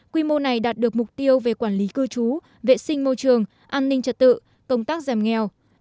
quy mô này đạt được mục tiêu về quản lý cư trú vệ sinh môi trường an ninh trật tự công tác giảm nghèo